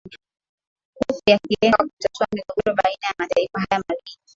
huku yakilenga kutatua migogoro baina ya mataifa haya mawili